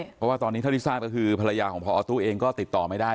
เพราะว่าตอนนี้เท่าที่ทราบก็คือภรรยาของพอตู้เองก็ติดต่อไม่ได้